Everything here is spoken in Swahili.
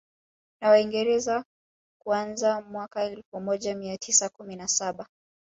Na Waingereza kuanzia mwaka elfu moja mia tisa kumi na saba